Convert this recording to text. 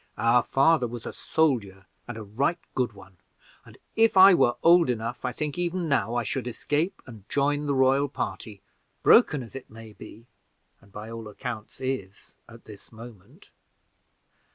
Our father was a soldier, and a right good one, and if I were old enough I think even now I should escape and join the royal party, broken as it may be and by all accounts is, at this moment.